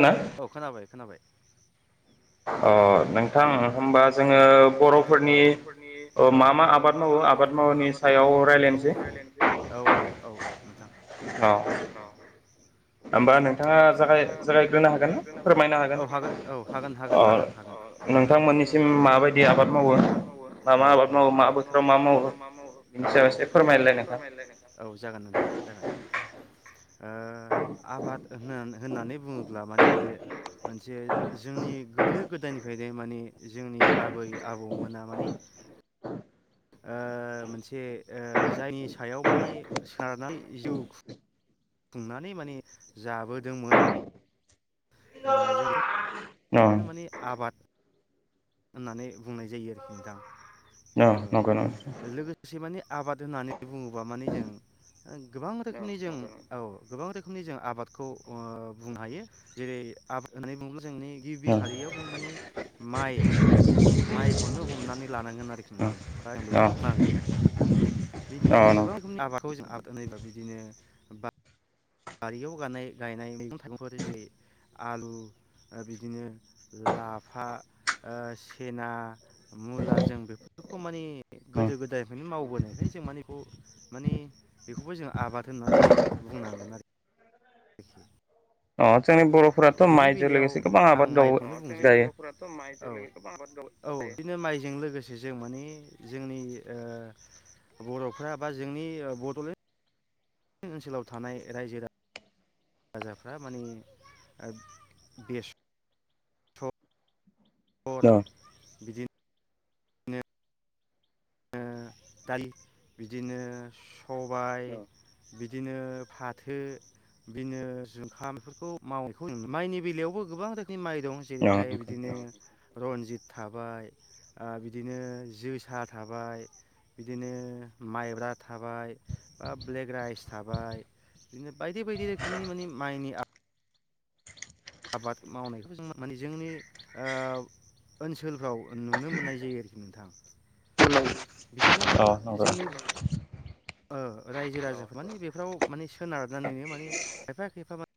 औ औ खोनाबाय खोनाबाय औ औ नोंथां होनबा जोङो बर'फोरनि औ मा मा आबाद मावो आबाद मावनि सायाव रायज्लायनोसै औ औ [inaudible] औ होमबा नोंथाङा ज ह ज औ ह औ ह ह नोंथ औ नोंथांनिसिम माब आबाद माव औ औ माव म बोथोराव मावो औ औ औ जागोन नोंथां ज ओ आबाद होन होननानै बुङोब्ला अब्ला माने बे मोनसे जोंनि गोदो गोदायनिफ्रायनो माने जोंनि आबै आबौमोना मानि ओ मोनसे ओ जायनि सायाव माने सोनारनानै जिउ खुंनानै माने जाबोदोंमोन। आ जो नो माने आबाद होननानै बुंनाय जायो आरोखि नोंथां औ लोगोसे माने आबाद होननानै बुङोबा माने जों गोबां रोखोमनि जों औ गोबां रोखोमनि जों आबादखौ बुंनो हायो जेरै आबाद होननानै बुङोब्ला। जोंनि गिबि थारियाव जों मानि माइ माइखौनो हमनानै लानांगोन आरोखि नोंथां आं बे बुनो औ बिनि उनावसो गोबां खौ जों आरजयोबा बिदिनो बा बारियाव गनाय गायनाय मैगं-थाइगंफोर जेरै आलु, बिदिनो लाफा, सेना, मुला, जों बेफोरखौ माने गोदो गोदायनिफ्रायनो मावबोनायखाय जों माने बेखौ माने बेखौबो जों आबाद होननानै जों बुंनांगोन आरोखि [inaudible] अ औ बिनि बेलायाव आं माइखौनो होननोसै बर'फोराथ' म गोबांबाद औ बिदिनो माइजों लोगोसे जों मानि जोंनि ओ बर'फ्रा बा जोंनि बड'लेण्ड ओनसोलाव थानाय रायजो राजा राजाफ्रा माने बेस र बिदि ओ दलि बिदिनो सबाय बिदिनो फाथो बिदिनो जुखाम बेफोरखौ मावनायखौ नु माइनि बेलायावबो गोबां रोखोमनि माइ दं जेरैहाय बिदिनो रनजित थाबाय ओ बिदिनो जोसा थाबाय बिदिनो माइब्रा थाबाय बा ब्लेक राइस थाबाय बिदिनो बायदि बायदि रोखोमनि माने माइनि आब आबाद मावनायखौ जों माने जोंनि ओनसोलफ्राव नुनो मोननाय जायो आरोखि नोंथां औ बिदिनो माने जोंनि ओ रायजो राजाखौ माने बेफोराव माने सोनारनानैनो माने खायफा खायफा मा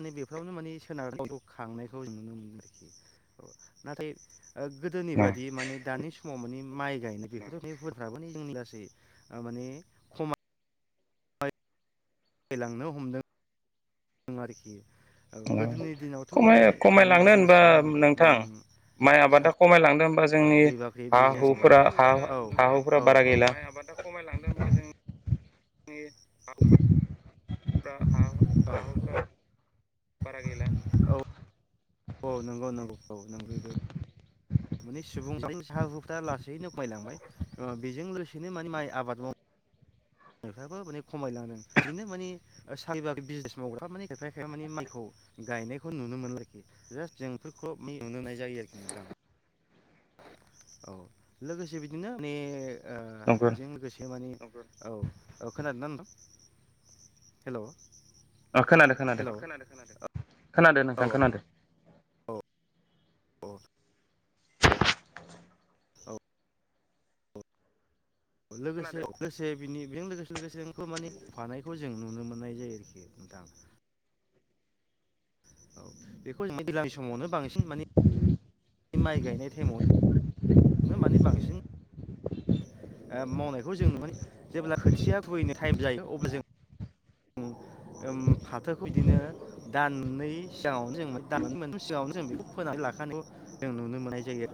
माने बेफोरावनो माने सोनारनानै जिउ खांनायखौ जों नुनो मोनो औ नाथाय ओ गोदोनि बादि माने दानि समाव माने माइ गायनाय बेफोर हाबाफ्रा ओ माने जोंनि माने खमा लांनो हमदों। दों आरोखि ओ गोदोनि खमाय खमायलांनो होनबा नोंथां माइ आबादा खमायलांदों होनबा जि बाख्रि बाख्रि बिजनेस औ औ [unintelligible] [unintelligible] औ बारा गैला औ औ नंगौ नंगौ औ नोंगैबो माने सुबुं हा हुफोरा लासैनो खमायलांबाय ओ बेजों लोगोसे माने माइ आबाद माव नोंथाङाबो माने खमायलांदो [unintelligible] जास जों इसोरखौ नुनो मोननाय जायो आरोखि नोंथां। औ लोगोसे बिदिनो माने ओ बेजों लोगोसे मानि औ औ खोनादों ना नोंथां? हेलौ हेलौ खोनादो खोनादो अ खोनादो नोंथां खोनादो। अ औ लोगोसे लोगोसे बिनि बेजों लोगोसे लोगोसे नोंखौ माने फानायखौ जों नुनो मोननाय जायो आरोखि नोंथां औ बेखौ जों दैलांनि समावनो बांसिन माने माइ गायनाय टाइमावनो माने बांसिन ओ मावनायखौ जों नावहाय जेब्ला खोथिया खुबैनो टाइम जायो अब्ला जों ओम फाथोखौ बिदिनो दाननै सिगाङावनो जों दाननै मोननै सिगाङावनो जों बेखौ फोनानै लाखानायखौ जों नुनो मोननाय जायो।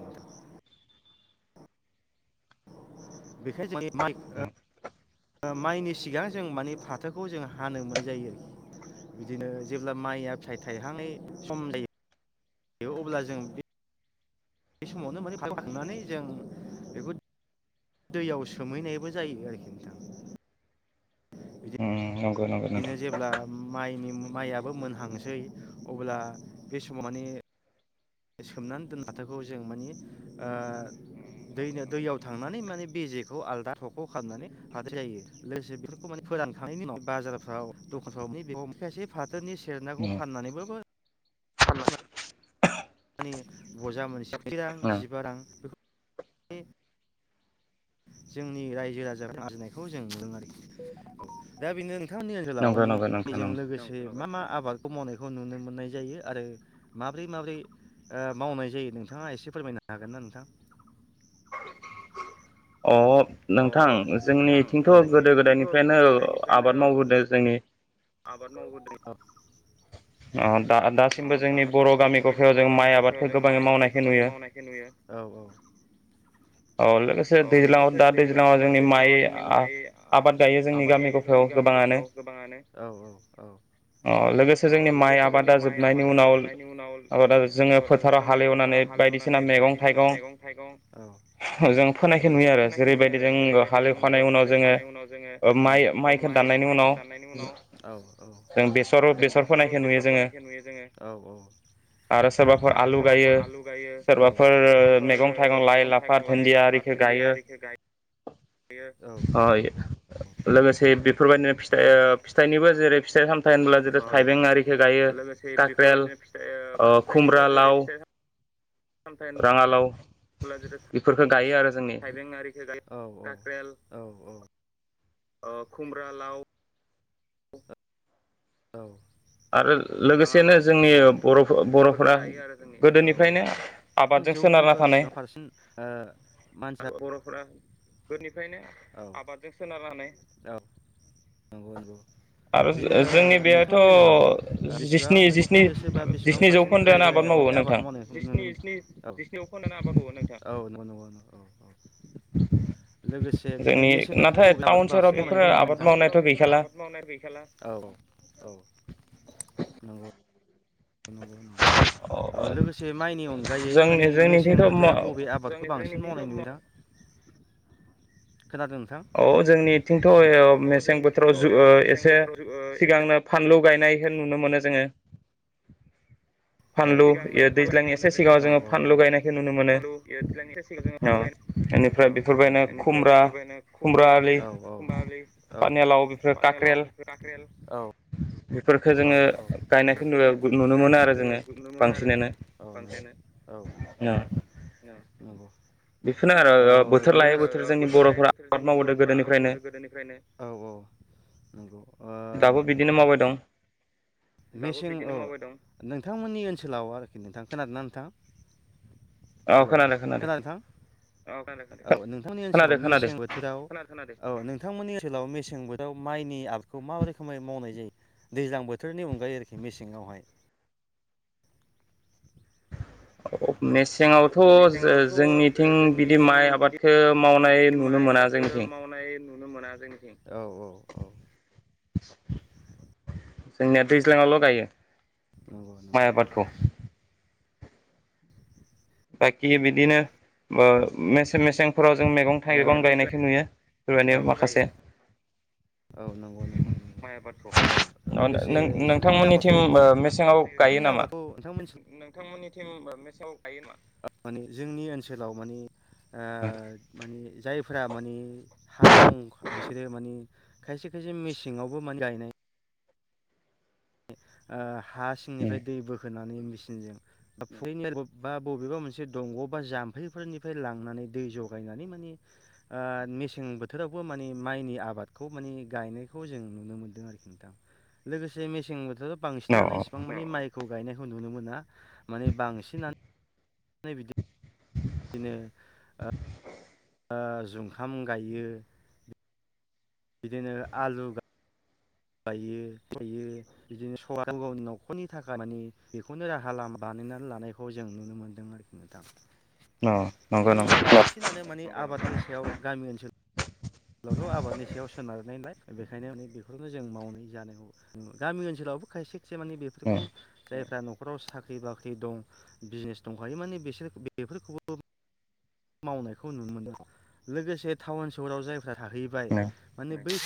बेखायनो [unintelligible] माइनि सिगां जों माने फाथोखौ जों हानो मोननाय जायो आरोखि बिदिनो जेब्ला माइआ फिथाइ थाइहांनाय सम जायो। यो अब्ला जों बे बे समावनो माने फानखांनानै जों बेखौ दैयाव सोमहैनायबो जायो आरोखि नोंथां बिदि नंगौ नंगौ नोंथां। माइनि माइयाबो मोनहांसै अब्ला बे समाव माने सोमनानै दोन फाथोखौ जों मानि ओ दै दैयाव थांनानै माने बेजेखौ आलदा थख'खौ खालामनानै जायो लोगोसे बेफोरखौ माने फोरानखांनायनि उनाव बाजारफ्राव दखानफ्राव माने बे खायसे फाथोनि सेरनाखौ फाननानैबाबो माने बजा मोनसेयाव जि रां जिबा रां जोंनि रायजो राजा आरजिनायखौ जों नुदों आरोखि दा बेनो नोंथांमोननि ओनसोलाव माने बेजों लोगोसे मा मा आबाद? मावनायखौ नुनो मोननाय जायो आरो माबोरै माबोरै ओ मावनाय जायो नोंथाङा एसे फोरमायनो हागोन ना नोंथां अह नोंथां जोंनिथिंथ' गोदो गोदायनिफ्रायनो आबाद मावबोदों जोंनि आबाद मावबो [unintelligible] औ दा दासो जोंनि बर' गामि गफायाव जों माइ आबादखौ गोबाङै मावनायखौ नुयो औ औ अह लोगोसे दैलाङाव दा दैज्लाङाव जोंनि माय आ आबाद गायो जोंनि गामि गफायाव औ औ औ लोगोसे जोंनि माइ आबादा जोबनायनि उनाव आबादा जोङो फोथाराव हालेवनानै बायदिसिना मैगं थाइगं जों फोनायखौ नुयो आरो जेरैबायदि जों हालेवखनायनि उनाव जोङो मा माइखौ दाननायनि उनाव औ औ जों बे [unintelligible] बेसर फोनायखौ नुयो जोङो औ औ आरो सोरबाफोर आलु गायो औ सोरबाफोर मैगं थाइगं लाइ लाफा दुन्दिया आरिखौ गायो बे औ लोगोसे बेफोरबायदिनो फिथाइ फिथाइनिबो जेरै फिथाइ सामथाइ अ लोगोसे बेफोरबायदिनो फिथाइ ओ फिथाइनिबो जेरै फिथा राङालाव खलाजिरा थायबें आरिखौ औ आपेल खुमब्रा लाव [unintelligible] औ राङालाव औ बेफोरखौ गायो आरो जोंनि औ औ औ जौखोन्दोबा बेसेबां पारसेन मानसिया ओ बर'फोरा गोनिफ्रायनो औ आबादजों सोनारनानै औ नंगौ नंगौ आरो जो जोंनि बे नि ओनसोलाव बेसेबां जौखोन्दोसो बा बेसेबां फारसे रायजो राजाफोर आबाद मावनो [unintelligible] [unintelligible] लोगोसे बिदिनो मेसें बोथोर बबे आबादखौ बांसिन मावनाय जायो बेफोर आबाद मावनाय गैखाला औ औ नंगौ औ लोगोसे माइनि अनगायै माने मेसें बोथोराव बबे आबादखौ बांसिन मावनाय नुयो औ जोंनिथिंथ' मेसें बोथोराव एसे सिगांनो फानलु गायनायखौ नुनो मोनो जोङो सिगांनो फाल मोनो जोङो औ हालव्लांनि जोङो हालु गाय औ बेनिफ्राय बेफोरबायदिनो खुमब्रा औ औ दालि औ पानिलाव बेफोराख औ। औ औ बेफोरखौ गायनायखौबो नुनो मोनो आरो जोङो बांसिनानो औ। औ। औ लोगोसे बोथोर लायै बोथोर जोंनि बर'फोरा आबाद मावदों गोदोनिफ्रायनो औ औ नंगौ। मेसें दाबो बिदिनो मावबाय दं नोंथांमोननि ओनसोलाव आरोखि नोंथां खोनादों ना नोंथां? हेल'। खोनदो नोंथां औ खोनादों औ नोंथांनि ओनसोलाव मेसें बोथोराव औ नोंथांमोननि ओनसोलाव मेसें बोथोर माइनि आबादखौ मा रोखोमै मावनाय जायो दैज्लां बोथोराव बोथोरनि अनगायै आरोखि मेसेङावहाय। औ मेसेंआवथ' जोंनिथिं बिदि माइ आबादखो मावनाय नुनो मोना जोंनिथिं। नुनो मोना जोंनिथिं। जोंनिया दैज्लांआवल' गायो माइ आबादखौ। बाकि बिदिनो मेसे मेसें फोराव जों मैगं थाइगं गायनायखौ नुयो। माखासे औ नंगौं नंगौ माय आबादखौ औ लोगोसे जुखाम आबादखौ जखामनि आबादखौ नोंथांमोननिसिम थिम मेसेंआव गायो नामा? ना माने जोंनि ओनसोलाव माने माने जाय फोरा माने हा दं बिसोरो माने खायसे खायसे मेसेंआवबो मानगायनाय ओ हा सिंनिफ्राय दै बोखोनानै बा बबेबा मोनसे दंग' बा जामफैफोरनिफ्राय लांनानै दै जगायनानै माने मेसें बोथोरावबो माने माइनि आबादखौ माने गानायखौ जों नुनो मोनदों नोथां लोगोसे सेंबोथो बांसिनानो इसेबां मानि माइ खौ गायनायखौ नुनो मोना माने बांसिनानो नै बिदि बिदिनो ओ ओ जुखाम गायो। बिदिनो आलु गायो फुयो बिदिनो गाव गावनि न'खरनि थाखाय माने बेखौनो राहा लामा बानायनानै लानायखौ जों नुनो मोन्दों आरोखि नोथां बिदिनो माने बांसिनानो माने आबादनि सायाव गामि ओनसोल आथिलावथ' आबादनि सायाव सोनारनायलाय बेखायनो बेखौनो जों मावनानै जानाय गामि ओनसोलावबो खायसे [unintelligible] मानि बेफोरखौ जायफ्रा [unintelligible] न'खराव साख्रि -बाख्रि दं। बिजनेस दंखायो माने बेसोर बेफोरखौबो मावनायखौ नुनो मोनदों लोगोसे टाउन सहराव जाय थाहैबाय माने बै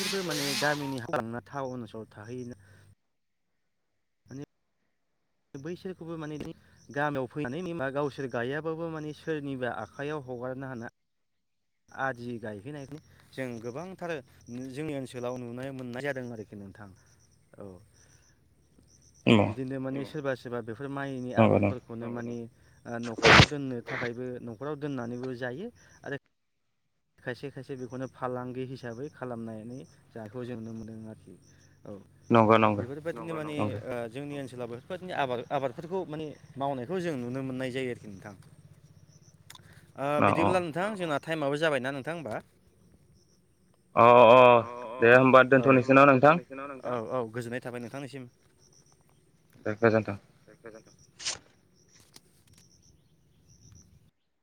[unintelligible] माने गामिनि हा गालांना थाउन ओनसोलाव थाहै बैसोरखौबो माने गामियाव फैनानै गावसोर गाययाबाबो माने सोरनिबा आखाइयाव हगारनो हानाय आदि गायहैनाय जों गोबांथार जोंनि ओनसोलाव नुनो मोननाय जादों आरोखि नोंथां औ। बिदिनो माने सोरबा -सोरबा बेफोर माइनि आबादफोरखौनो माने न'खराव दोननो थाखाय न'खराव दोननानैबो जायो आरो खायसे -खायसे बेखौनो फालांगि हिसाबै खालामनानै जानायखौ जों नुनो मोनदों आरोखि। औ बेफोरबायदिनो माने जोंनि ओनसोलाबो बेफोरबायदिनो आबाद -आबादफोरखौ माने मावनायखौ जों नुनो मोननाय जायो आरोखि नोंथां। बिदिब्ला नोंथां जोंना थाइमआबो जाबाय ना नोंथां होमबा? अ -अ औ होनबा दोनथ'नोसै नामा नोंथां औ औ गोजोननाय थाबाय नोंथांनिसिम। गोजोनथों।